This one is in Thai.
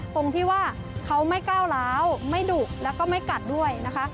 ตรงที่ว่าเขาไม่ก้าวร้าวไม่ดุแล้วก็ไม่กัดด้วยนะคะ